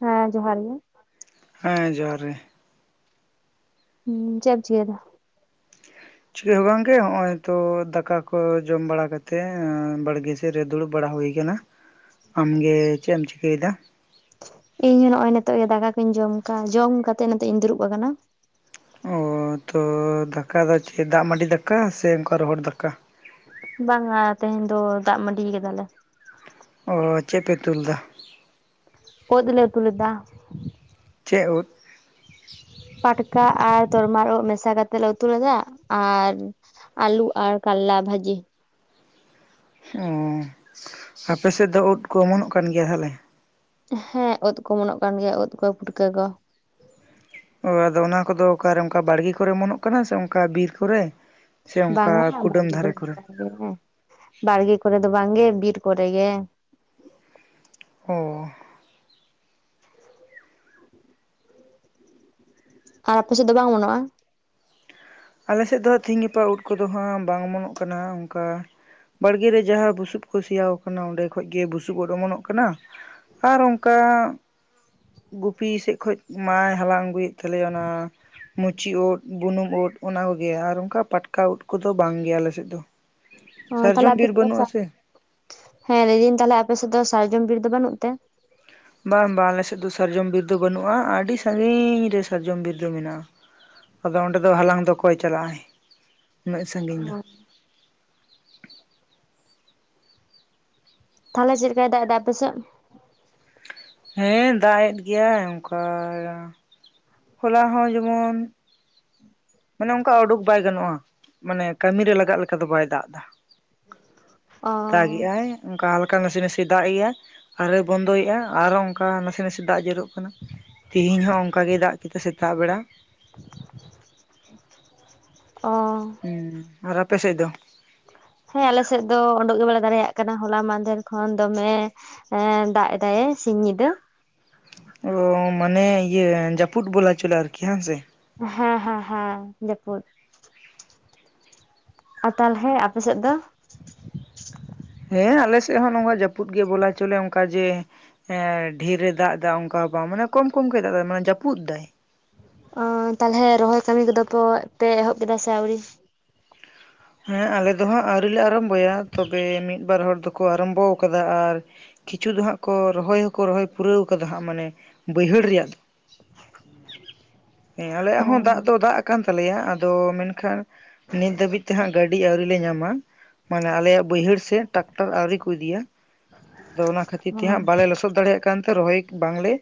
ᱦᱮᱸ ᱡᱚᱦᱟᱨ ᱜᱮ᱾ ᱦᱮᱸ ᱡᱚᱦᱟᱨ ᱜᱮ᱾ ᱦᱩᱸ ᱪᱮᱛ ᱮᱢ ᱪᱮᱠᱟᱭᱫᱟ? ᱪᱤᱠᱟᱹ ᱦᱚᱸ ᱵᱟᱝ ᱜᱮ ᱦᱚᱸᱜ-ᱚᱭ ᱛᱚ ᱫᱟᱠᱟ ᱠᱚ ᱡᱚᱢ ᱵᱟᱲᱟ ᱠᱟᱛᱮ ᱵᱟᱲᱜᱤ ᱥᱮᱫ ᱨᱮ ᱫᱩᱲᱩᱵ ᱵᱟᱲᱟ ᱦᱩᱭ ᱠᱟᱱᱟ᱾ ᱟᱢᱜᱮ ᱪᱮᱫ ᱮᱢ ᱪᱤᱠᱟᱹᱭᱫᱟ? ᱤᱧ ᱦᱚᱸ ᱱᱚᱜ-ᱚᱭ ᱱᱤᱛᱚᱜ ᱜᱮ ᱫᱟᱠᱟ ᱠᱩᱧ ᱡᱚᱢ ᱠᱟᱜ-ᱟ, ᱡᱚᱢ ᱠᱟᱛᱮᱜ ᱱᱤᱛᱚᱜ ᱤᱧ ᱫᱩᱲᱩᱵ ᱟᱠᱟᱱᱟ᱾ ᱚᱻ ᱛᱚ ᱫᱟᱠᱟ ᱫᱚ ᱪᱮᱫ ᱫᱟᱜ ᱢᱟᱹᱰᱤ ᱫᱟᱠᱟ ᱥᱮ ᱚᱝᱠᱟ ᱨᱚᱦᱚᱲ ᱫᱟᱠᱟ? ᱵᱟᱝᱟ ᱛᱮᱦᱮᱧ ᱫᱚ ᱫᱟᱜ ᱢᱟᱹᱰᱤᱭ ᱠᱟᱫᱟᱞᱮ᱾ ᱚᱻ ᱪᱮᱫ ᱯᱮ ᱩᱛᱩᱞ ᱮᱫᱟ? ᱩᱫ ᱞᱮ ᱩᱛᱩ ᱞᱮᱫᱟ᱾ ᱪᱮᱫ ᱩᱫ? ᱯᱟᱴᱠᱟ ᱟᱨ ᱛᱚᱨᱢᱟᱞ ᱩᱫ ᱢᱮᱥᱟ ᱠᱟᱛᱮᱫ ᱞᱮ ᱩᱛᱩ ᱞᱮᱫᱟ᱾ ᱟᱨ ᱟᱞᱩ ᱟᱨ ᱠᱟᱞᱞᱟ ᱵᱷᱟᱡᱤ᱾ ᱚᱻ ᱟᱯᱮ ᱥᱮᱫ ᱫᱚ ᱩᱫ ᱠᱚ ᱚᱢᱚᱱᱚᱜ ᱠᱟᱱ ᱜᱮᱭᱟ ᱛᱟᱦᱞᱮ? ᱦᱮᱸ ᱩᱫ ᱠᱚ ᱚᱢᱚᱱᱚᱜ ᱠᱟᱱ ᱜᱮᱭᱟ, ᱩᱫ ᱠᱚ, ᱯᱩᱴᱠᱟᱹ ᱠᱚ᱾ ᱚᱻ ᱟᱫᱚ ᱚᱱᱟ ᱠᱚᱫᱚ ᱚᱠᱟᱨᱮ ᱚᱝᱠᱟ ᱵᱟᱲᱜᱮ ᱠᱚᱨᱮᱢᱚᱱᱚᱜ ᱠᱟᱱᱟ ᱥᱮ ᱚᱝᱠᱟ ᱵᱤᱨ ᱠᱚᱨᱮ? ᱥᱮ ᱚᱝᱠᱟ ᱠᱩᱰᱟᱹᱢ ᱫᱷᱟᱨᱮ ᱠᱚᱨᱮ? ᱦᱩᱸ, ᱵᱟᱲᱜᱮ ᱠᱚᱨᱮ ᱫᱚ ᱵᱟᱝᱜᱮ ᱵᱤᱨ ᱠᱚᱨᱮ ᱜᱮ᱾ ᱚᱻ ᱟᱨ ᱟᱯᱮ ᱥᱮᱫ ᱫᱚ ᱵᱟᱝ ᱚᱢᱚᱱᱚᱜ-ᱟ? ᱟᱞᱮ ᱥᱮᱫ ᱫᱚ ᱦᱟᱸᱜ ᱛᱤᱦᱤᱧ ᱜᱟᱯᱟ ᱩᱫ ᱠᱚᱫᱚ ᱦᱟᱸᱜ ᱵᱟᱝ ᱚᱢᱚᱱᱚᱜ ᱠᱟᱱᱟ ᱚᱝᱠᱟ᱾ ᱵᱟᱲᱜᱮ ᱨᱮ ᱡᱟᱦᱟᱸ ᱵᱩᱥᱩᱵ ᱠᱚ ᱥᱮᱭᱟᱣ ᱠᱟᱱᱟ ᱚᱸᱰᱮ ᱠᱷᱚᱡ ᱜᱮ ᱵᱩᱥᱩᱵ ᱩᱫ ᱚᱢᱚᱱᱚᱜ ᱠᱟᱱᱟ᱾ ᱟᱨ ᱚᱝᱠᱟ ᱜᱩᱯᱤ ᱥᱮᱫ ᱠᱷᱚᱱ ᱢᱟᱭ ᱦᱟᱞᱟᱝ ᱟᱹᱜᱩᱭᱮᱫ ᱛᱟᱞᱮᱭᱟ ᱚᱱᱟ ᱢᱩᱪᱤ ᱩᱫ, ᱵᱩᱱᱩᱢ ᱩᱫ, ᱚᱱᱟ ᱠᱚᱜᱮ ᱟᱨ ᱚᱝᱠᱟ ᱯᱟᱴᱠᱟ ᱩᱫ ᱠᱚᱫᱚ ᱵᱟᱝ ᱜᱮ ᱟᱞᱮ ᱥᱮᱫ ᱫᱚ᱾ ᱦᱮᱸ, ᱛᱟᱦᱞᱮ ᱥᱟᱨᱡᱚᱢ ᱟᱯᱮ ᱵᱤᱨ ᱥᱮᱫ ᱫᱚ ᱵᱟᱹᱱᱩᱜᱼᱟ ᱥᱮ [unintelligible] ᱦᱮᱸ ᱞᱟᱹᱭᱫᱟᱹᱧ ᱛᱟᱦᱞᱮ ᱟᱯᱮ ᱥᱮᱫ ᱫᱚ ᱥᱟᱨᱡᱚᱢ ᱵᱤᱨ ᱫᱚ ᱵᱟᱹᱱᱩᱜ ᱛᱮ᱾ ᱵᱟᱝ ᱵᱟᱝ ᱟᱞᱮ ᱥᱮᱫ ᱫᱚ ᱥᱟᱨᱡᱚᱢ ᱵᱤᱨᱫᱟᱹ ᱵᱟᱹᱱᱩᱜ-ᱟ, ᱟᱹᱰᱤ ᱥᱟᱺᱜᱤᱧᱻ ᱨᱮ ᱥᱟᱨᱡᱚᱢ ᱵᱤᱨᱫᱚ ᱢᱮᱱᱟᱜ-ᱟ᱾ ᱟᱫᱚ ᱚᱸᱰᱮ ᱫᱚ ᱦᱟᱞᱟᱝ ᱫᱚ ᱚᱠᱚᱭ ᱪᱟᱞᱟᱜ-ᱟᱭ ᱩᱱᱟᱹᱜ ᱥᱟᱺᱜᱤᱧ ᱫᱚ᱾ ᱛᱟᱦᱞᱮ ᱪᱮᱫᱞᱮᱠᱟᱭ ᱫᱟᱜᱫᱟ ᱟᱯᱮ ᱥᱮᱫ? ᱦᱮᱸ ᱫᱟᱜ ᱮᱫ ᱜᱮᱭᱟᱭ ᱚᱝᱠᱟᱻ ᱦᱚᱞᱟ ᱦᱚᱸ ᱡᱮᱢᱚᱱ ᱢᱟᱱᱮ ᱚᱝᱠᱟ ᱩᱰᱩᱠ ᱵᱟᱭ ᱜᱟᱱᱚᱜ-ᱟ, ᱢᱟᱱᱮ ᱠᱟᱹᱢᱤᱨᱮ ᱞᱟᱜᱟᱜ ᱞᱮᱠᱟ ᱫᱚ ᱵᱟᱭ ᱫᱟᱜᱫᱟ᱾ ᱚ ᱫᱟᱜ ᱜᱮᱜ-ᱟᱭ᱾ ᱚᱝᱠᱟ ᱦᱟᱞᱠᱟ ᱱᱟᱥᱮ ᱱᱟᱥᱮ ᱫᱟᱜᱮᱜ-ᱟᱭ, ᱟᱨᱮᱭ ᱵᱚᱱᱫᱚᱭᱮᱜ-ᱟ ᱟᱨᱚ ᱚᱝᱠᱟ ᱱᱟᱥᱮ ᱱᱟᱥᱮ ᱫᱟᱜ ᱡᱚᱨᱚᱜ ᱠᱟᱱᱟ᱾ ᱛᱤᱦᱤᱧ ᱦᱚᱸ ᱚᱱᱠᱟ ᱜᱮᱭ ᱫᱟᱜ ᱠᱮᱫᱟ ᱥᱮᱛᱟᱜ ᱵᱮᱲᱟ᱾ ᱚᱻ᱾ ᱦᱩᱸ, ᱟᱨ ᱟᱯᱮ ᱥᱮᱡ ᱫᱚ? ᱦᱮᱸ ᱟᱞᱮ ᱥᱮᱡ ᱫᱚ ᱩᱰᱩᱜ ᱜᱮ ᱵᱟᱞᱮ ᱫᱟᱲᱮᱭᱟᱜ ᱠᱟᱱᱟ᱾ ᱦᱚᱞᱟ ᱢᱟᱦᱫᱷᱮᱨ ᱠᱷᱚᱱ ᱫᱚᱢᱮ ᱮᱸᱻ ᱫᱟᱜ ᱮᱫᱟᱭᱮ ᱥᱤᱧ ᱧᱤᱫᱟᱹ᱾ ᱚᱻ ᱢᱟᱱᱮ ᱤᱭᱟᱹ ᱡᱟᱹᱯᱩᱫ ᱵᱚᱞᱟ ᱪᱚᱞᱮ ᱟᱨᱠᱤ, ᱦᱮᱸ ᱦᱟᱝ ᱥᱮ? ᱦᱮᱸ ᱦᱮᱸ ᱦᱮᱸ ᱡᱟᱹᱯᱩᱫ᱾ ᱟᱨ ᱛᱟᱞᱦᱮ ᱟᱯᱮ ᱥᱮᱫ ᱫᱚ? ᱦᱮᱸ ᱟᱞᱮ ᱥᱮᱫ ᱦᱚᱸ ᱱᱚᱝᱠᱟ ᱡᱟᱹᱯᱩᱫ ᱜᱮ ᱵᱚᱞᱟ ᱪᱚᱞᱮ ᱚᱱᱠᱟ ᱡᱮ ᱦᱮᱸ ᱰᱷᱮᱨᱮ ᱫᱟᱜ ᱮᱫᱟ ᱚᱱᱠᱟ ᱦᱚ ᱵᱟᱝ ᱢᱟᱱᱮ ᱠᱚᱢ ᱠᱚᱢ ᱜᱮᱭ ᱫᱟᱜ ᱫᱟᱭ ᱢᱟᱱᱮ ᱡᱟᱹᱯᱩᱫ ᱫᱟᱭ᱾ ᱚ ᱛᱟᱦᱚᱞᱮ ᱨᱚᱦᱚᱭ ᱠᱟᱹᱢᱤ ᱠᱚᱫᱚ ᱯᱚ ᱯᱮ ᱮᱦᱚᱵ ᱠᱮᱫᱟ ᱥᱮ ᱟᱹᱣᱨᱤ? ᱦᱮᱸ ᱟᱞᱮ ᱫᱚ ᱦᱟᱸᱜ ᱟᱹᱣᱨᱤᱞᱮ ᱟᱨᱟᱢᱵᱚᱭᱟ ᱛᱚᱵᱮ ᱢᱤᱫ-ᱵᱟᱨ ᱦᱚᱲ ᱫᱚᱠᱚ ᱟᱨᱟᱢᱵᱚ ᱟᱠᱟᱫᱟ ᱟᱨ ᱠᱤᱪᱷᱩ ᱫᱚ ᱦᱟᱸᱜ ᱠᱚ ᱨᱚᱦᱚᱭ ᱦᱚᱸᱠᱚ ᱨᱚᱦᱚᱭ ᱯᱩᱨᱟᱹᱣ ᱠᱟᱫᱟ ᱦᱟᱸᱜ ᱢᱟᱱᱮ ᱵᱟᱹᱭᱦᱟᱹᱲ ᱨᱮᱭᱟᱜ᱾ ᱦᱮᱸ ᱟᱞᱮᱭᱟᱜ ᱚ ᱦᱚᱸ ᱫᱟᱜ ᱫᱚ ᱫᱟᱜ ᱠᱟᱱ ᱛᱟᱞᱮᱭᱟ ᱟᱫᱚ ᱢᱮᱱᱠᱷᱟᱱ ᱱᱤᱛ ᱫᱷᱟᱹᱵᱤᱡ ᱛᱮ ᱦᱟᱸᱜ ᱜᱟᱹᱰᱤ ᱟᱹᱣᱨᱤ ᱞᱮ ᱧᱟᱢᱟ᱾ ᱢᱟᱱᱮ ᱟᱞᱮᱭᱟᱜ ᱵᱟᱹᱭᱦᱟᱹᱲ ᱥᱮ ᱴᱟᱠᱴᱟᱨ ᱟᱣᱨᱤ ᱠᱚ ᱤᱫᱤᱭᱟ ᱟᱫᱚ ᱚᱱᱟ ᱠᱷᱟᱹᱛᱤᱨ ᱚ ᱛᱮᱦᱟᱸᱜ ᱵᱟᱞᱮ ᱞᱚᱥᱚᱫ ᱫᱟᱲᱮᱭᱟᱜ ᱠᱟᱱᱛᱮ ᱨᱚᱦᱚᱭ ᱵᱟᱝᱞᱮ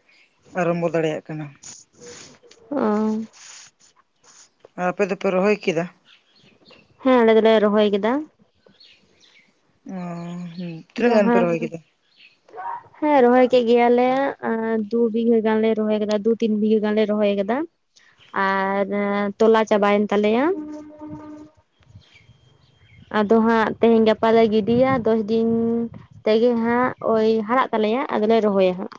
ᱟᱨᱟᱢᱵᱚ ᱫᱟᱲᱮᱭᱟᱜ ᱠᱟᱱᱟ᱾ ᱚ᱾ ᱟᱨ ᱟᱯᱮ ᱫᱚᱯᱮ ᱨᱚᱦᱚᱭ ᱠᱮᱫᱟ? ᱦᱮᱸ ᱟᱞᱮ ᱫᱚᱞᱮ ᱨᱚᱦᱚᱭ ᱠᱮᱫᱟ। [inaudible] ᱡᱟᱦᱟᱸᱱ ᱨᱚᱦᱚᱭ [unintelligible] ᱠᱮᱫᱟ ᱦᱮᱸ ᱨᱚᱦᱚᱭ ᱠᱮᱜ ᱜᱮᱭᱟᱞᱮ ᱟᱸ ᱫᱩ ᱵᱤᱜᱷᱟᱹ ᱜᱟᱱᱞᱮ ᱨᱚᱦᱚᱭ ᱠᱟᱫᱟ, ᱫᱩ ᱛᱤᱱ ᱵᱤᱜᱷᱟᱹ ᱜᱟᱱᱞᱮ ᱨᱚᱦᱚᱭ ᱠᱟᱫᱟ। ᱟᱨ ᱮᱸ ᱛᱚᱞᱟ ᱪᱟᱵᱟᱭᱮᱱ ᱛᱟᱞᱮᱭᱟ᱾ ᱟᱫᱚ ᱦᱟᱸᱜ ᱛᱮᱦᱮᱧ ᱜᱟᱯᱟᱞᱮ ᱜᱤᱰᱤᱭᱟ᱾ ᱫᱚᱥ ᱫᱤᱱ ᱛᱮᱜᱮ ᱦᱟᱸᱜ ᱳᱭ ᱦᱟᱨᱟᱜ ᱛᱟᱞᱮᱭᱟ, ᱟᱫᱚᱞᱮ ᱨᱚᱦᱚᱭᱟ ᱦᱟᱸᱜ᱾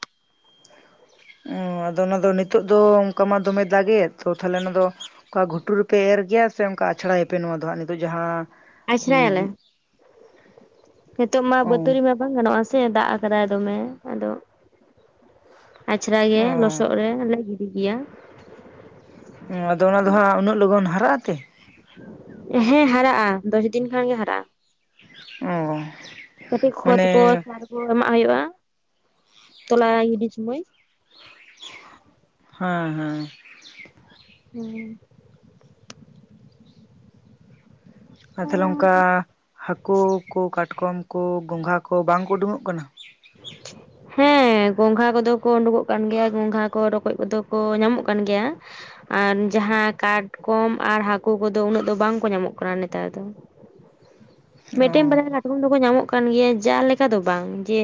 ᱩᱸ ᱟᱫᱚ ᱚᱱᱟ ᱫᱚ ᱱᱤᱛᱳᱜ ᱫᱚ ᱚᱱᱠᱟ ᱢᱟ ᱫᱚᱢᱮ ᱫᱟᱜᱮᱫ᱾ ᱛᱚ ᱛᱟᱦᱞᱮ ᱚᱱᱟ ᱫᱚ ᱚᱱᱠᱟ ᱜᱷᱩᱴᱩ ᱨᱮᱯᱮ ᱮᱨ ᱜᱮᱭᱟ ᱥᱮ ᱚᱱᱠᱟ ᱟᱷᱲᱟᱭᱮᱯᱮ ᱱᱚᱣᱟ ᱫᱚ ᱦᱟᱸᱜ ᱱᱤᱛᱚᱜ ᱡᱟᱦᱟᱸ ᱟᱪᱷᱲᱟᱭᱟᱞᱮ ᱩᱸᱦᱩᱜ᱾ ᱱᱤᱛᱚᱜ ᱢᱟ ᱵᱟᱹᱛᱟᱹᱲᱤ ᱢᱟ ᱵᱟᱝ ᱜᱟᱱᱚᱜ-ᱟ ᱥᱮ ᱫᱟᱜ ᱠᱟᱫᱟᱭ ᱫᱚᱢᱮ ᱟᱫᱚ ᱟᱪᱲᱟᱭ ᱜᱮ ᱚ ᱞᱚᱥᱚᱫᱨᱮ ᱞᱮ ᱜᱤᱰᱤ ᱜᱮᱭᱟ᱾ ᱦᱩᱸ ᱟᱫᱚ ᱚᱱᱟ ᱫᱚ ᱦᱟᱸᱜ ᱩᱱᱟᱹᱜ ᱞᱚᱜᱚᱱ ᱦᱟᱨᱟᱜ ᱟᱛᱮ? ᱦᱮᱸ ᱦᱟᱨᱟᱜ-ᱟ, ᱫᱚᱥᱫᱤᱱ ᱠᱷᱟᱱ ᱜᱮ ᱦᱟᱨᱟᱜ-ᱟ᱾ ᱚ ᱠᱟᱹᱴᱤᱡ ᱠᱷᱚᱫ ᱠᱚ ᱢᱟᱱᱮ [unintelligible] ᱠᱚ ᱮᱢᱟᱜ ᱦᱩᱭᱩᱜ-ᱟ ᱛᱚᱞᱟ ᱜᱤᱰᱤᱤ ᱥᱳᱢᱚᱭ᱾ ᱦᱮᱸ ᱦᱮᱸ᱾ ᱦᱩᱸ᱾ ᱟᱨ ᱛᱟᱦᱚᱞᱮ ᱚᱱᱠᱟ ᱦᱟᱹᱠᱩ ᱠᱚ, ᱠᱟᱴᱠᱚᱢ ᱠᱚ, ᱜᱚᱸᱜᱷᱟ ᱠᱚ ᱵᱟᱝᱠᱚ ᱩᱰᱩᱠᱚᱜ ᱠᱟᱱᱟ? [inaudible] ᱦᱮᱸ ᱜᱚᱝᱜᱷᱟ ᱠᱚᱫᱚ ᱠᱚ ᱩᱰᱩᱠᱚᱜ ᱠᱟᱱ ᱜᱮᱭᱟ, ᱜᱚᱝᱜᱷᱟ ᱠᱚ ᱨᱚᱠᱚᱡ ᱠᱚᱫᱚ ᱠᱚ ᱧᱟᱢᱚᱜ ᱠᱟᱱ ᱜᱮᱭᱟ᱾ ᱟᱨ ᱡᱟᱦᱟᱸ ᱠᱟᱴᱠᱚᱢ ᱟᱨ ᱦᱟᱹᱠᱩ ᱠᱚᱫᱚ ᱩᱱᱟᱹᱜ ᱫᱚ ᱵᱟᱝ ᱠᱚ ᱧᱟᱢᱚᱜ ᱠᱟᱱᱟ ᱱᱮᱛᱟᱨ ᱫᱚ। ᱚ ᱢᱤᱫᱴᱮᱱ ᱵᱟᱨᱭᱟ ᱠᱟᱴᱠᱚᱢ ᱫᱚᱠᱚ ᱧᱟᱢᱚᱜ ᱠᱟᱱ ᱜᱮᱭᱟ ᱡᱟ ᱞᱮᱠᱟ ᱫᱚ ᱵᱟᱝ ᱡᱮ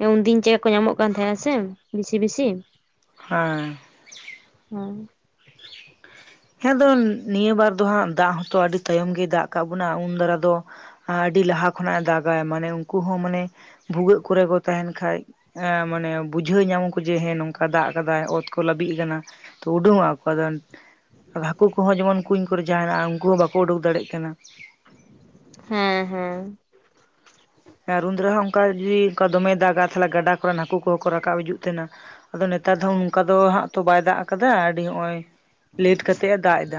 ᱮᱸ ᱩᱱᱫᱤᱱ ᱪᱮᱫᱠᱟ ᱠᱚ ᱧᱟᱢᱚᱜ ᱠᱟᱱ ᱛᱟᱦᱮᱸ-ᱟ ᱥᱮ ᱵᱤᱥᱤ ᱵᱤᱥᱤ᱾ ᱦᱮᱸ᱾ ᱦᱮᱸ᱾ ᱦᱮᱸ ᱫᱚ ᱱᱤᱭᱟᱹ ᱵᱟᱨ ᱫᱚ ᱦᱟᱸᱜ ᱫᱟᱜ ᱦᱚᱸᱛᱚ ᱟᱹᱰᱤ ᱛᱟᱭᱚᱢ ᱜᱮᱭ ᱫᱟᱜ ᱠᱟᱜ ᱵᱚᱱᱟ ᱩᱱ ᱫᱟᱨᱟ ᱫᱚ ᱟ ᱟᱹᱰᱤ ᱞᱟᱦᱟ ᱠᱷᱚᱱᱟᱜ ᱮ ᱫᱟᱜᱟᱭ ᱢᱟᱱᱮ ᱩᱱᱠᱩ ᱦᱚᱸ ᱢᱟᱱᱮ ᱵᱷᱩᱜᱟᱹᱜ ᱠᱚᱨᱮ ᱠᱚ ᱛᱟᱦᱮᱱ ᱠᱷᱟᱭ ᱮᱸ ᱢᱟᱱᱮ ᱵᱩᱡᱷᱟᱹᱣ ᱧᱟᱢᱟ ᱠᱚ ᱡᱮ ᱦᱮᱸ ᱱᱚᱝᱠᱟ ᱫᱟᱜ ᱠᱟᱫᱟᱭ ᱚᱛ ᱠᱚ ᱞᱟᱹᱵᱤᱫ ᱠᱟᱱᱟ। ᱛᱚ ᱩᱰᱩᱝᱚᱜ ᱟᱠᱚ ᱟᱫᱚ ᱟᱨ ᱦᱟᱹᱠᱩ ᱠᱚᱦᱚᱸ ᱡᱮᱢᱚᱱ ᱠᱩᱧ ᱠᱚᱨᱮ ᱡᱟᱦᱟᱭᱱᱟᱜᱼᱟ ᱩᱱᱠᱩ ᱦᱚᱸ ᱵᱟᱠᱚ ᱩᱰᱩᱠ ᱫᱟᱲᱮᱜ ᱠᱟᱱᱟ। ᱦᱮᱸ ᱦᱮᱸ। ᱟᱨ ᱩᱱᱫᱟᱨᱟ ᱦᱚᱸ ᱚᱱᱠᱟ ᱡᱩᱫᱤ ᱚᱱᱠᱟ ᱫᱚᱢᱮ ᱫᱟᱜᱟ ᱛᱟᱦᱚᱞᱮ ᱜᱟᱰᱟ ᱠᱚᱨᱮᱱ ᱦᱟᱹᱠᱩ ᱠᱚᱦᱚᱸ ᱠᱚ ᱨᱟᱠᱟᱵ ᱦᱤᱡᱩᱜ ᱛᱟᱦᱮᱱᱟ? ᱟᱫᱚ ᱱᱮᱛᱟᱨ ᱫᱚ ᱚᱱᱠᱟ ᱫᱚ ᱦᱟᱸᱜ ᱛᱚ ᱵᱟᱭ ᱫᱟᱜ ᱟᱠᱟᱫᱟ ᱟᱹᱰᱤ ᱱᱚᱜ-ᱚᱭ ᱞᱮᱴ ᱠᱟᱛᱮᱜ ᱮ ᱫᱟᱜ ᱮᱫᱟ।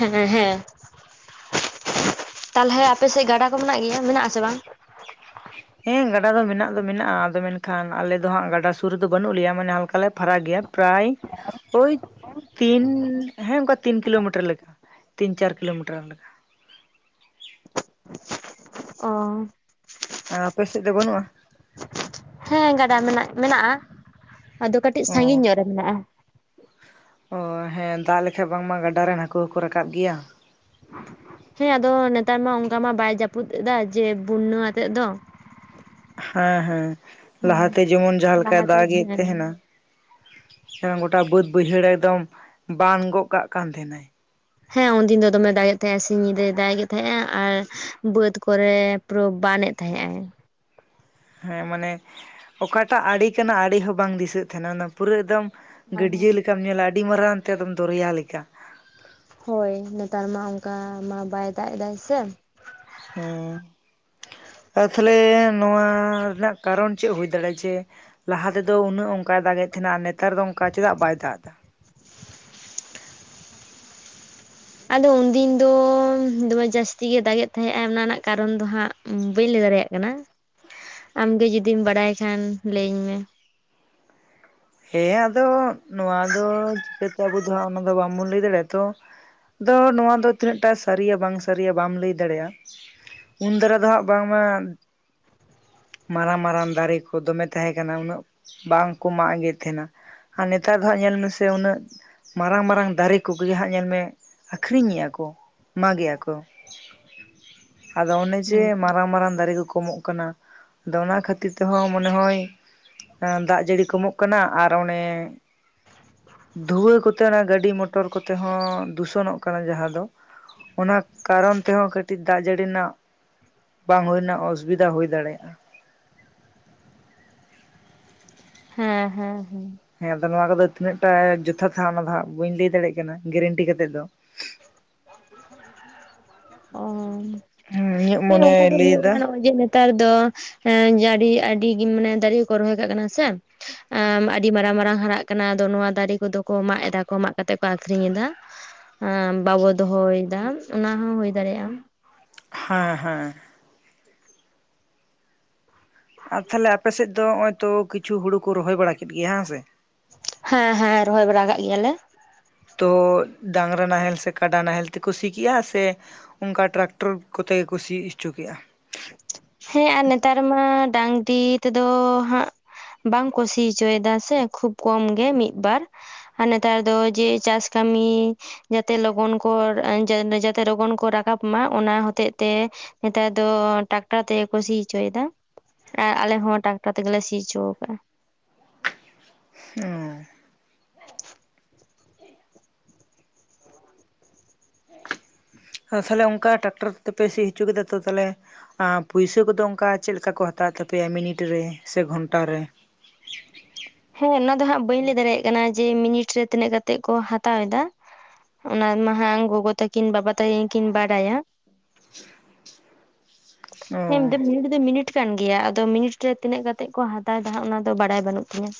ᱦᱮᱸ ᱦᱮᱸ। ᱛᱟᱞᱦᱮ ᱟᱯᱮ ᱥᱮᱫ ᱜᱟᱰᱟ ᱠᱚ ᱢᱮᱱᱟᱜ ᱜᱮᱭᱟ, ᱢᱮᱱᱟᱜ ᱟᱥᱮ ᱵᱟᱝ? [inaudible] ᱦᱮᱸ ᱜᱟᱰᱟ ᱫᱚ ᱢᱤᱱᱟᱜ ᱫᱚ ᱢᱤᱱᱟᱜᱼᱟ ᱟᱫᱚ ᱢᱮᱱᱠᱷᱟᱱ ᱟᱞᱮ ᱫᱚ ᱦᱟᱸᱜ ᱜᱟᱰᱟ ᱥᱩᱨ ᱨᱮᱫᱚ ᱵᱟᱹᱱᱩᱜ ᱞᱮᱭᱟ ᱢᱟᱱᱮ ᱦᱟᱞᱠᱟᱞᱮ ᱯᱷᱟᱨᱟᱠ ᱜᱮᱭᱟ। ᱯᱨᱟᱭ ᱳᱭ ᱛᱤᱱ ᱦᱮᱸ ᱚᱱᱠᱟ ᱛᱤᱱ ᱠᱤᱞᱳᱢᱤᱴᱟᱨ ᱞᱮᱠᱟ। ᱛᱤᱱ ᱪᱟᱨ ᱠᱤᱞᱳᱢᱤᱴᱟᱨ ᱞᱮᱠᱟ। ᱚ ᱮ ᱟᱯᱮ ᱥᱮᱫ ᱫᱚ ᱵᱟᱹᱱᱩᱜᱼᱟ? ᱦᱮᱸ ᱜᱟᱰᱟ ᱢᱮᱱᱟᱜ ᱢᱮᱱᱟᱜᱼᱟ ᱟᱫᱚ ᱠᱟᱹᱴᱤᱡ ᱚ ᱥᱟᱺᱜᱤᱧ ᱧᱚᱜ ᱨᱮ ᱢᱮᱱᱟᱜᱼᱟ। ᱚ ᱦᱮᱸ ᱫᱟᱜ ᱞᱮᱠᱷᱟᱡ ᱵᱟᱝᱢᱟ ᱜᱟᱰᱟ ᱨᱮᱱ ᱦᱟᱠᱩ ᱦᱚᱸᱠᱚ ᱨᱟᱠᱟᱵ ᱜᱮᱭᱟ। ᱦᱮᱸ ᱟᱫᱚ ᱱᱮᱛᱟᱨ ᱢᱟ ᱚᱱᱠᱟ ᱢᱟ ᱵᱟᱭ ᱡᱟᱹᱯᱩᱫ ᱮᱫᱟ ᱡᱮ ᱵᱩᱱᱱᱟ ᱟᱛᱮᱜ ᱫᱚ। ᱦᱮᱸ ᱦᱮᱸ ᱦᱮᱸ ᱞᱟᱦᱟᱛᱮ ᱡᱮᱢᱚᱱ ᱡᱟᱦᱟᱸᱞᱮᱠᱟᱭ ᱞᱟᱦᱟᱛᱮ ᱫᱟᱜᱮᱜ ᱛᱟᱦᱮᱱᱟ। ᱦᱮᱸ ᱟᱸ ᱜᱚᱴᱟ ᱵᱟᱹᱫ ᱵᱟᱹᱭᱦᱟᱹᱲ ᱮᱠᱫᱚᱢ ᱵᱟᱱ ᱜᱚᱜ ᱠᱟᱜ ᱠᱟᱱ ᱛᱟᱦᱮᱱᱟᱭ᱾ ᱦᱮᱸ ᱩᱱᱫᱤᱱ ᱫᱚ ᱫᱚᱢᱮ ᱫᱟᱜᱮᱫ ᱛᱟᱦᱮᱸᱜ ᱥᱤᱧ ᱧᱤᱫᱟᱹᱭ ᱫᱟᱜᱮᱫ ᱛᱟᱦᱮᱸᱜᱼᱟ ᱟᱨ ᱵᱟᱹᱫ ᱠᱚᱨᱮ ᱯᱩᱨᱳ ᱵᱟᱱᱮᱫ ᱛᱟᱦᱮᱸᱜ ᱮᱭ। ᱦᱮᱸ ᱢᱟᱱᱮ ᱚᱠᱟᱴᱟᱜ ᱟᱲᱮ ᱠᱟᱱᱟ ᱟᱲᱮ ᱦᱚᱸ ᱵᱟᱝ ᱫᱤᱥᱟᱹᱜ ᱛᱟᱦᱮᱱᱟ, ᱚᱱᱟ ᱯᱩᱨᱟᱹ ᱮᱠᱫᱚᱢ ᱦᱮᱸ ᱜᱟᱹᱰᱭᱟᱹ ᱞᱮᱠᱟᱢ ᱧᱮᱞᱟ ᱟᱹᱰᱤ ᱢᱟᱨᱟᱝᱛᱮ ᱮᱠᱫᱚᱢ ᱫᱚᱨᱭᱟ ᱞᱮᱠᱟ᱾ ᱦᱳᱭ ᱱᱮᱛᱟᱨ ᱢᱟ ᱚᱱᱠᱟ ᱢᱟ ᱵᱟᱭ ᱫᱟᱜ ᱮᱫᱟᱭ ᱥᱮ᱾ ᱦᱮᱸ ᱟᱨ ᱛᱟᱦᱚᱞᱮ ᱱᱚᱣᱟ ᱨᱮᱱᱟᱜ ᱠᱟᱨᱚᱱ ᱪᱮᱫ ᱦᱩᱭ ᱫᱟᱲᱮᱭᱟᱜᱼᱟ? ᱡᱮ ᱞᱟᱦᱟ ᱛᱮᱫᱚ ᱩᱱᱟᱹᱜ ᱚᱱᱠᱟᱭ ᱫᱟᱜ ᱮᱫ ᱛᱟᱦᱮᱱᱟ, ᱟᱨ ᱱᱮᱛᱟᱨ ᱫᱚ ᱚᱱᱠᱟ ᱪᱮᱫᱟᱜ ᱵᱟᱭ ᱫᱟᱜ ᱮᱫᱟ? ᱟᱫᱚ ᱩᱱᱫᱤᱱ ᱫᱚ ᱫᱚᱢᱮ ᱡᱟᱹᱥᱛᱤ ᱜᱮ ᱫᱟᱜᱮᱫ ᱛᱟᱦᱮᱸᱫᱼᱟ ᱚᱱᱟ ᱨᱮᱱᱟᱜ ᱠᱟᱨᱚᱱ ᱫᱚ ᱦᱟᱸᱜ ᱵᱟᱹᱧ ᱞᱟᱹᱭ ᱫᱟᱲᱮᱭᱟᱜ ᱠᱟᱱᱟ᱾ ᱟᱢ ᱜᱮ ᱡᱩᱫᱤᱢ ᱵᱟᱲᱟᱭ ᱠᱷᱟᱱ ᱞᱟᱹᱭᱟᱹᱧ ᱢᱮ᱾ ᱦᱮᱸ ᱟᱫᱚ ᱱᱚᱣᱟ ᱫᱚ ᱪᱤᱠᱟᱹᱛᱮ ᱟᱵᱚ ᱫᱚ ᱦᱟᱸᱜ ᱚᱱᱟ ᱫᱚ ᱵᱟᱵᱚᱱ ᱞᱟᱹᱭ ᱫᱟᱲᱮᱭᱟᱜᱼᱟ ᱛᱚ᱾ ᱫᱚ ᱱᱚᱣᱟ ᱫᱚ ᱛᱤᱱᱟᱹᱜᱴᱟ ᱥᱟᱹᱨᱤᱭᱟ ᱵᱟᱝ ᱥᱟᱹᱨᱤᱭᱟ ᱵᱟᱢ ᱞᱟᱹᱭ ᱫᱟᱲᱮᱭᱟᱜᱼᱟ᱾ ᱩᱱ ᱫᱷᱟᱨᱟ ᱫᱚ ᱦᱟᱸᱜ ᱵᱟᱝᱢᱟ ᱢᱟᱨᱟᱝ ᱢᱟᱨᱟᱝ ᱫᱟᱨᱮ ᱠᱚ ᱫᱚᱢᱮ ᱛᱟᱦᱮᱸ ᱠᱟᱱᱟ ᱩᱱᱟᱹᱜ ᱵᱟᱝᱠᱚ ᱢᱟᱜ ᱜᱮᱛ ᱛᱟᱦᱮᱱᱟ᱾ ᱟᱨ ᱱᱮᱛᱟᱨ ᱫᱚ ᱦᱟᱸᱜ ᱧᱮᱞ ᱢᱮᱥᱮ ᱩᱱᱟᱹᱜ ᱢᱟᱨᱟᱝ ᱢᱟᱨᱟᱝ ᱫᱟᱨᱮ ᱠᱚᱜᱮ ᱦᱟᱸᱜ ᱧᱮᱞ ᱢᱮ ᱟᱠᱷᱨᱤᱧᱮᱭᱟ ᱠᱚ, ᱢᱟᱜᱮᱭᱟ ᱠᱚ᱾ [inaudible] ᱟᱫᱚ ᱚᱱᱮ ᱡᱮ ᱦᱮᱸ ᱢᱟᱨᱟᱝ ᱢᱟᱨᱟᱝ ᱫᱟᱨᱮ ᱠᱚ ᱠᱚᱢᱚᱜ ᱠᱟᱱᱟ᱾ ᱟᱫᱚ ᱚᱱᱟ ᱠᱷᱟᱹᱛᱤᱨ ᱛᱮᱦᱚᱸ ᱢᱚᱱᱮ ᱦᱚᱭ ᱫᱟᱜ ᱡᱟᱹᱲᱤ ᱠᱚᱢᱚᱜ ᱠᱟᱱᱟ ᱟᱨ ᱚᱱᱮ, ᱫᱷᱩᱣᱟᱹ ᱠᱚᱛᱮ ᱚᱱᱟ ᱜᱟᱹᱰᱤ ᱢᱚᱴᱚᱨ ᱠᱚᱛᱮ ᱦᱚᱸ ᱫᱩᱥᱚᱱᱚᱜ ᱠᱟᱱᱟ ᱡᱟᱦᱟᱸ ᱫᱚ᱾ ᱚᱱᱟ ᱠᱟᱨᱚᱱ ᱛᱮᱦᱚᱸ ᱠᱟᱹᱴᱤᱡ ᱫᱟᱜ ᱡᱟᱹᱲᱤ ᱨᱮᱱᱟᱜ ᱵᱟᱝ ᱦᱩᱭ ᱨᱮᱱᱟᱜ ᱚᱥᱩᱵᱤᱫᱷᱟ ᱦᱩᱭ ᱫᱟᱲᱮᱭᱟᱜᱼᱟ᱾ ᱦᱮᱸ ᱦᱮᱸ ᱦᱮᱸ ᱦᱮᱸ ᱟᱫᱚ ᱱᱚᱣᱟ ᱠᱚᱫᱚ ᱛᱤᱱᱟᱹᱜ ᱴᱟ ᱡᱚᱛᱷᱟᱛ ᱚᱱᱟ ᱫᱚ ᱦᱟᱸᱜ ᱵᱟᱹᱧ ᱞᱟᱹᱭ ᱫᱟᱲᱮᱭᱟᱜ ᱠᱟᱱᱟ ᱜᱮᱨᱮᱱᱴᱤ ᱠᱟᱛᱮᱜ ᱫᱚ᱾ ᱚ ᱦᱮᱸ ᱤᱧᱟᱹᱜ ᱦᱮᱸ ᱢᱚᱱᱮᱭ ᱚᱱᱠᱟ ᱜᱮ ᱦᱩᱭᱩᱜ ᱞᱟᱹᱭᱫᱟ ᱠᱟᱱᱟ [unintelligible] ᱱᱮᱛᱟᱨ ᱫᱚ ᱮ ᱡᱟ ᱜᱤ ᱟᱹᱰᱤ ᱢᱟᱱᱮ ᱫᱟᱨᱮ ᱠᱚ ᱠᱚ ᱨᱚᱦᱚᱭ ᱠᱟᱜ ᱠᱟᱱᱟ ᱥᱮ᱾ ᱮ ᱟᱹᱰᱤ ᱢᱟᱨᱟᱝ ᱢᱟᱨᱟᱝ ᱦᱟᱨᱟᱜ ᱠᱟᱱᱟ ᱟᱫᱚ ᱱᱚᱣᱟ ᱫᱟᱨᱮ ᱠᱚᱫᱚ ᱠᱚ ᱢᱟᱜ ᱮᱫᱟ ᱠᱚ ᱢᱟᱜ ᱠᱟᱛᱮᱜ ᱠᱚ ᱟᱠᱷᱨᱤᱧ ᱮᱫᱟ᱾ ᱮᱸ ᱵᱟᱵᱚ ᱫᱚᱦᱚᱭᱮᱫᱟ ᱚᱱᱟ ᱦᱚᱸ ᱦᱩᱭ ᱫᱟᱲᱮᱭᱟᱜᱼᱟ᱾ ᱦᱮᱸ ᱦᱮᱸ ᱟᱨ ᱛᱟᱦᱞᱮ ᱟᱯᱮᱥᱮᱫ ᱫᱚ ᱚᱸᱜ-ᱚᱭ ᱛᱚ ᱠᱤᱪᱷᱩ ᱦᱩᱲᱩ ᱠᱩ ᱨᱚᱦᱚᱭ ᱵᱟᱲᱟ ᱠᱮᱫ ᱜᱮᱭᱟ ᱦᱮᱸ ᱥᱮ᱾ ᱦᱮᱸ ᱦᱮᱸ ᱨᱚᱦᱚᱭ ᱵᱟᱲᱟ ᱠᱟᱜ ᱜᱮᱭᱟᱞᱮ᱾ ᱛᱚ ᱰᱟᱸᱝᱨᱟ ᱱᱟᱦᱮᱞ ᱥᱮ ᱠᱟᱰᱟ ᱱᱟᱦᱮᱞ ᱛᱮᱠᱚ ᱥᱤ ᱠᱮᱜ-ᱟ ᱥᱮ᱾ ᱚᱱᱠᱟ ᱴᱨᱟᱠᱴᱚᱨ ᱠᱚᱛᱮ ᱜᱮᱠᱚ ᱥᱤ ᱩᱪᱩ ᱠᱮᱜ-ᱟ᱾ ᱦᱮᱸ ᱟᱨ ᱱᱮᱛᱟᱨ ᱢᱟ ᱰᱟᱸᱝᱨᱤ ᱛᱮᱫᱚ ᱦᱟᱸᱜ᱾ ᱵᱟᱝ ᱠᱚ ᱥᱤ ᱦᱚᱪᱚᱭᱮᱫᱟ ᱥᱮ ᱠᱷᱩᱵ ᱠᱚᱢ ᱜᱮ ᱢᱤᱫ ᱵᱟᱨ᱾ ᱟᱨ ᱱᱮᱛᱟᱨ ᱫᱚ ᱡᱮ ᱪᱟᱥ ᱠᱟᱢᱤ᱾ ᱡᱟᱛᱮ ᱞᱚᱜᱚᱱ ᱠᱚ ᱡᱟ ᱡᱟᱛᱮ ᱞᱚᱜᱚᱱ ᱠᱚ ᱨᱟᱠᱟᱵ ᱢᱟ ᱚᱱᱟ ᱦᱚᱛᱮᱜ ᱛᱮ᱾ ᱱᱮᱛᱟᱨ ᱫᱚ᱾ ᱴᱟᱠᱴᱟᱨ ᱛᱮᱜᱮ ᱠᱚ ᱥᱤ ᱚᱪᱚᱭᱮᱫᱟ ᱟᱨ ᱟᱞᱮ ᱦᱚᱸ ᱴᱟᱠᱴᱟᱨ ᱛᱮᱜᱮᱞᱮ ᱥᱤ ᱦᱚᱪᱚᱣ ᱠᱟᱜ-ᱟ᱾ ᱦᱩᱸ᱾ ᱟᱫᱚ ᱛᱟᱦᱞᱮ ᱚᱱᱠᱟ ᱴᱟᱠᱴᱚᱨ ᱠᱚ ᱛᱮᱯᱮ ᱥᱤ ᱦᱚᱪᱩ ᱠᱮᱫᱟ ᱛᱚ ᱛᱟᱦᱞᱮ᱾ ᱟᱸ ᱯᱩᱭᱥᱟᱹ ᱠᱚᱫᱚ ᱚᱱᱠᱟ ᱪᱮᱜ ᱞᱮᱠᱟ ᱠᱚ ᱦᱟᱛᱟᱣᱮᱫ ᱛᱟᱯᱮᱭᱟ ᱢᱤᱱᱤᱴ ᱨᱮ ᱥᱮ ᱜᱷᱚᱱᱴᱟ ᱨᱮ᱾ ᱦᱮᱸ ᱚᱱᱟ ᱫᱚ ᱦᱟᱸᱜ ᱵᱟᱹᱧ ᱞᱟᱹᱭ ᱫᱟᱲᱮᱭᱟᱜ ᱠᱟᱱᱟ ᱡᱮ ᱢᱤᱱᱤᱴ ᱨᱮ ᱛᱤᱱᱟᱹᱜ ᱠᱟᱛᱮᱜ ᱠᱚ ᱦᱟᱛᱟᱣ ᱮᱫᱟ᱾ ᱚᱱᱟ ᱢᱟ ᱦᱟᱸᱝ ᱜᱚᱜᱚ ᱛᱟᱠᱤᱱ ᱵᱟᱵᱟ ᱛᱟᱠᱤᱱ᱾ ᱠᱤᱱ ᱵᱟᱲᱟᱭᱟ ᱚ ᱦᱮᱸᱢ ᱢᱤᱱᱤᱴ ᱫᱚ ᱢᱤᱱᱤᱴ ᱠᱟᱱ ᱜᱮᱭᱟ ᱟᱫᱚ ᱢᱤᱱᱤᱴ ᱨᱮ ᱛᱤᱱᱟᱹᱜ ᱠᱟᱛᱮᱜ ᱠᱚ ᱦᱟᱛᱟᱣ ᱮᱫᱟ ᱦᱟᱸᱜ ᱚᱱᱟᱫᱚ ᱵᱟᱲᱟᱭ ᱵᱟᱱᱩᱜ ᱛᱤᱧᱟ᱾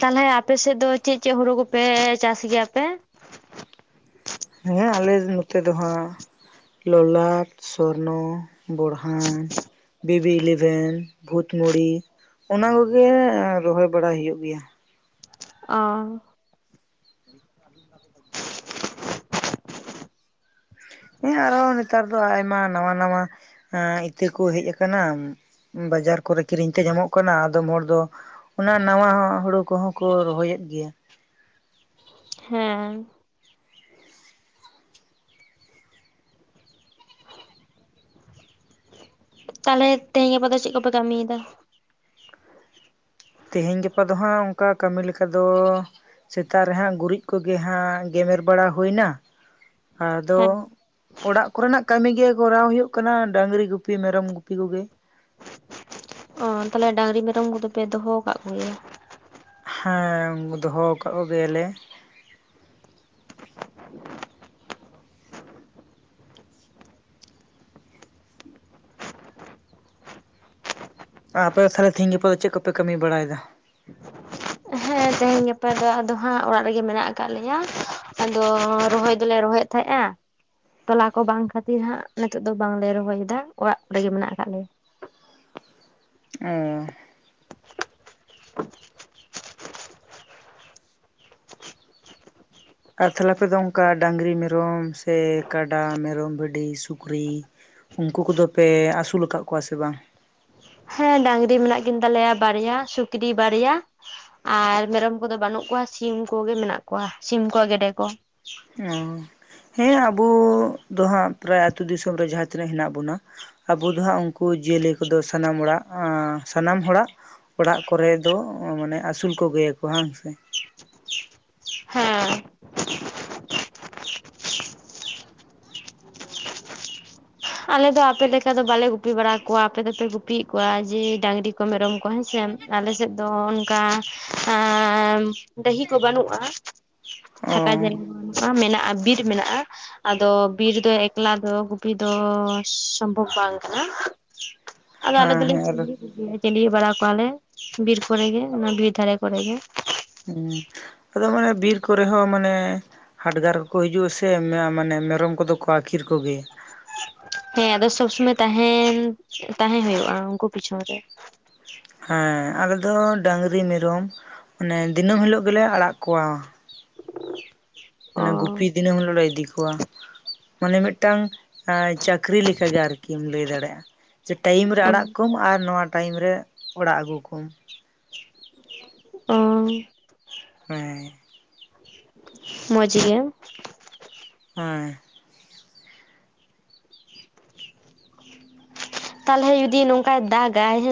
ᱛᱟᱦᱞᱮ ᱟᱯᱮᱥᱮᱜ ᱫᱚ ᱪᱮᱜ ᱪᱮᱜ ᱦᱳᱲᱳ ᱠᱚᱯᱮ ᱪᱟᱥ ᱜᱮᱭᱟ ᱯᱮ᱾ ᱦᱮᱸ ᱟᱞᱮ ᱱᱚᱛᱮ ᱫᱚ ᱦᱟᱸᱜ ᱞᱚᱞᱟᱴ ᱥᱚᱨᱱᱚ᱾ ᱵᱚᱲᱦᱟᱱ ᱵᱤᱵ ᱵᱤ ᱤᱞᱤᱵᱷᱮᱱ ᱵᱷᱩᱛᱢᱲᱤ ᱚᱱᱟ ᱠᱚᱜᱮ ᱨᱚᱦᱚᱭ ᱵᱟᱲᱟ ᱦᱩᱭᱩᱜ ᱜᱮᱭᱟ᱾ ᱚ᱾ ᱦᱮᱸ ᱟᱨᱦᱚᱸ ᱱᱮᱛᱟᱨ ᱫᱚ ᱟᱭᱢᱟ ᱱᱟᱶᱟ ᱱᱟᱶᱟ ᱮᱸ ᱤᱛᱟᱹ ᱠᱚ ᱦᱮᱡ ᱟᱠᱟᱱᱟ ᱵᱟᱡᱟᱨ ᱠᱚᱨᱮ ᱠᱤᱨᱤᱧ ᱛᱮ ᱧᱟᱢᱚᱜ ᱠᱟᱱᱟ ᱟᱫᱚᱢ ᱦᱚᱲ ᱫᱚ ᱚᱱᱟ ᱱᱟᱣᱟ ᱟᱜ ᱦᱩᱲᱩ ᱠᱚᱦᱚᱸ ᱠᱩ ᱨᱚᱦᱚᱭᱮᱫ ᱜᱮᱭᱟ᱾ ᱦᱮᱸ᱾ ᱛᱟᱦᱞᱮ ᱛᱮᱦᱮᱧ ᱜᱟᱯᱟ ᱫᱚ ᱪᱮᱜ ᱠᱚᱯᱮ ᱠᱟᱢᱤᱭᱫᱟ? ᱛᱤᱦᱤᱧ ᱜᱟᱯᱟ ᱫᱚ ᱦᱟᱸᱜ ᱚᱱᱠᱟ ᱠᱟᱢᱤ ᱞᱮᱠᱟ ᱫᱚ ᱥᱮᱛᱟᱜ ᱨᱮ ᱦᱟᱸᱜ ᱜᱩᱨᱤᱡ ᱠᱚᱜᱮ ᱦᱟᱸᱜ ᱜᱮᱢᱮᱨ ᱵᱟᱲᱟ ᱦᱩᱭᱱᱟ ᱟᱫᱚ ᱦᱮᱸ ᱚᱲᱟᱜ ᱠᱚᱨᱮᱱᱟᱜ ᱠᱟᱢᱤ ᱜᱮ ᱠᱚᱨᱟᱣ ᱦᱳᱭᱳᱜ ᱠᱟᱱᱟ ᱰᱟᱸᱝᱨᱤ ᱜᱩᱯᱤ ᱢᱮᱨᱚᱢ ᱜᱩᱯᱤ ᱠᱚᱜᱮ᱾ ᱚ ᱛᱟᱦᱞᱮ ᱰᱟᱸᱝᱨᱤ ᱢᱮᱨᱚᱢ ᱠᱚᱫᱚ ᱯᱮ ᱫᱚᱦᱚᱣ ᱠᱟᱜ ᱠᱚᱜᱮᱭᱟ? ᱦᱮᱸ ᱫᱚᱦᱚ ᱠᱟᱜ ᱠᱚᱜᱮᱭᱟᱞᱮ᱾ [inaudible] ᱟᱯᱮ ᱫᱚ ᱛᱟᱦᱞᱮ ᱛᱤᱦᱤᱧ ᱜᱟᱯᱟ ᱫᱚ ᱪᱮᱜ ᱠᱚᱯᱮ ᱠᱟᱹᱢᱤ ᱵᱟᱲᱟᱭ ᱫᱟ? ᱦᱮᱸ ᱛᱮᱦᱮᱧ ᱜᱟᱯᱟ ᱫᱚ ᱟᱫᱚ ᱦᱟᱸᱜ ᱚᱲᱟᱜ ᱨᱮᱜᱮ ᱢᱮᱱᱟᱜ ᱟᱠᱟᱜ ᱞᱮᱭᱟ ᱟᱫᱚ ᱨᱚᱦᱚᱭ ᱫᱚᱞᱮ ᱨᱚᱦᱚᱭᱮᱫ ᱛᱟᱦᱮᱸᱜ-ᱟ ᱾ ᱛᱚᱞᱟ ᱠᱚ ᱵᱟᱝ ᱠᱷᱟᱛᱤᱨ ᱦᱟᱸᱜ ᱱᱤᱛᱚᱜ ᱫᱚ ᱵᱟᱝᱞᱮ ᱨᱚᱦᱚᱭᱮᱫᱟ ᱚᱲᱟᱜ ᱠᱚᱨᱮᱜᱮ ᱢᱮᱱᱟᱜ ᱟᱠᱟᱜ ᱞᱮᱭᱟ᱾ ᱚᱻ᱾ ᱟᱨ ᱛᱟᱦᱞᱮ ᱟᱯᱮ ᱫᱚ ᱚᱱᱠᱟ ᱰᱟᱸᱝᱨᱤ ᱢᱮᱨᱚᱢ ᱥᱮ ᱠᱟᱰᱟ ᱢᱮᱨᱚᱢ ᱵᱷᱤᱰᱤ ᱥᱩᱠᱨᱤ ᱩᱱᱠᱩ ᱠᱚᱫᱚ ᱯᱮ ᱟᱥᱩᱞ ᱟᱠᱟᱜ ᱠᱚᱣᱟ ᱥᱮ ᱵᱟᱝ? ᱦᱮᱸ ᱰᱟᱸᱝᱨᱤ ᱢᱮᱱᱟᱜ ᱠᱤᱱ ᱛᱟᱞᱮᱭᱟ ᱵᱟᱨᱭᱟ ᱥᱩᱠᱨᱤ ᱵᱟᱨᱭᱟ᱾ ᱟᱨ ᱢᱮᱨᱚᱢ ᱠᱚᱫᱚ ᱵᱟᱱᱩᱜ ᱠᱚᱣᱟ ᱥᱤᱢ ᱠᱚᱜᱮ ᱢᱮᱱᱟᱜ ᱠᱚᱣᱟ ᱥᱤᱢ ᱠᱚ ᱟ ᱜᱮᱰᱮ ᱠᱚ᱾ ᱚ ᱦᱮᱸ ᱟᱵᱩ ᱫᱚ ᱦᱟᱸᱜ ᱯᱨᱟᱭ ᱟᱛᱩ ᱫᱤᱥᱚᱢ ᱨᱮ ᱡᱟᱦᱟᱸ ᱛᱤᱱᱟᱹᱜ ᱦᱮᱱᱟᱜ ᱵᱩᱱᱟ ᱟᱵᱩ ᱫᱚ ᱦᱟᱸᱜ ᱩᱱᱠᱩ ᱡᱤᱭᱟᱹᱞᱤ ᱠᱚᱫᱚ ᱥᱟᱱᱟᱢ ᱚᱲᱟᱜ ᱥᱟᱱᱟᱢ ᱦᱚᱲᱟᱜ ᱚᱲᱟᱜ ᱠᱚᱨᱮ ᱫᱚ ᱢᱟᱱᱮ ᱟᱥᱩᱞ ᱠᱚᱜᱮᱭᱟ ᱠᱚ ᱦᱟᱸᱝ ᱥᱮ? ᱦᱮᱸ ᱟᱞᱮ ᱫᱚ ᱟᱯᱮ ᱞᱮᱠᱟ ᱫᱚ ᱵᱟᱞᱮ ᱜᱩᱯᱤ ᱵᱟᱲᱟ ᱠᱚᱣᱟ ᱟᱯᱮ ᱫᱚᱯᱮ ᱜᱩᱯᱤᱭᱮᱫ ᱠᱚᱣᱟ ᱡᱮ ᱰᱟᱹᱝᱨᱤ ᱠᱚ ᱢᱮᱨᱚᱢ ᱠᱚ ᱦᱮᱸᱥᱮ ᱟᱞᱮ ᱥᱮᱫ ᱫᱚ ᱚᱱᱠᱟ ᱰᱟᱹᱦᱤ ᱠᱚ ᱵᱟᱹᱱᱩᱜᱼᱟ᱾ ᱚ ᱯᱷᱟᱠᱟ ᱡᱟᱭ [inaudible] ᱢᱮᱱᱟᱜᱼᱟ᱾ ᱵᱤᱨ ᱢᱮᱱᱟᱜᱼᱟ ᱟᱫᱚ ᱵᱤᱨ ᱫᱚ ᱮᱠᱞᱟ ᱫᱚ ᱜᱩᱯᱤ ᱫᱚ ᱥᱚᱢᱵᱷᱚᱵ ᱵᱟᱝ ᱠᱟᱱᱟ ᱟᱫᱚ ᱟᱞᱮ ᱦᱮᱸ ᱦᱮᱸ ᱫᱚᱞᱮᱧ ᱟᱨ [inaudible] ᱪᱤᱝᱜᱲᱤ ᱵᱟᱲᱟ ᱠᱚᱣᱟᱞᱮ ᱵᱤᱨ ᱠᱚᱨᱮ ᱜᱮ ᱚᱱᱟ ᱵᱤᱨ ᱫᱷᱟᱨᱮ ᱠᱚᱨᱮ ᱜᱮ ᱾ ᱦᱩᱸ [unintelligible] ᱵᱤᱨ ᱠᱚᱨᱮ ᱦᱚᱸ ᱢᱟᱱᱮ ᱦᱟᱰᱜᱟᱨ ᱠᱚᱠᱚ ᱦᱤᱡᱩᱜᱼᱟ ᱥᱮ ᱢᱮ ᱢᱟᱱᱮ ᱢᱮᱨᱚᱢ ᱠᱚᱫᱚ ᱠᱚ ᱟᱹᱠᱷᱤᱨ ᱠᱚᱜᱮᱭᱟ᱾ ᱦᱮᱸ ᱟᱫᱚ ᱥᱚᱵ ᱥᱚᱢᱚᱭ ᱛᱟᱦᱮᱱ ᱛᱟᱦᱮᱸ ᱦᱩᱭᱩᱜᱼᱟ ᱩᱱᱠᱩ ᱯᱤᱪᱷᱚᱱ ᱨᱮ᱾ ᱦᱮᱸ ᱟᱞᱮ ᱫᱚ ᱰᱟᱹᱝᱨᱤ ᱢᱮᱨᱚᱢ ᱢᱟᱱᱮ ᱫᱤᱱᱟᱹᱢ ᱦᱤᱞᱳᱜ ᱜᱮᱞᱮ ᱟᱲᱟᱜ ᱠᱚᱣᱟ᱾ [inaudible] ᱚ ᱢᱟᱱᱮ ᱜᱩᱯᱤ ᱫᱤᱱᱟᱹᱢ ᱦᱤᱞᱚᱜ ᱞᱮ ᱤᱫᱤ ᱠᱚᱣᱟ ᱢᱟᱱᱮ ᱢᱤᱫᱴᱟᱝ ᱮ ᱪᱟᱹᱠᱨᱤ ᱞᱮᱠᱟᱜᱮ ᱟᱨᱠᱤᱢ ᱞᱟᱹᱭ ᱫᱟᱲᱮᱭᱟᱜᱼᱟ᱾ ᱡᱮ ᱴᱟᱭᱤᱢ ᱨᱮ ᱚ ᱟᱲᱟᱜ ᱠᱚᱢ ᱟᱨ ᱱᱚᱣᱟ ᱴᱟᱭᱤᱢ ᱨᱮ ᱚᱲᱟᱜ ᱟᱹᱜᱩ ᱠᱚᱢ᱾ ᱚ ᱦᱮ ᱢᱚᱡᱽ ᱜᱮᱭᱟ ᱦᱮ ᱛᱟᱞᱦᱮ ᱡᱩᱫᱤ ᱱᱚᱝᱠᱟᱭ ᱫᱟᱜᱟᱭ ᱦᱮ